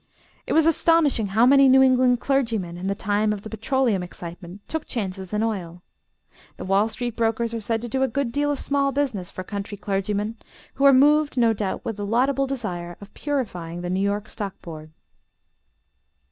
It was astonishing how many New England clergymen, in the time of the petroleum excitement, took chances in oil. The Wall street brokers are said to do a good deal of small business for country clergymen, who are moved no doubt with the laudable desire of purifying the New York stock board.